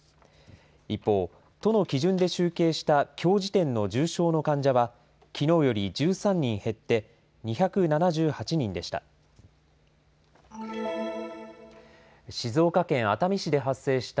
一方、都の基準で集計したきょう時点の重症の患者はきのうより１３人減って２７８人でした。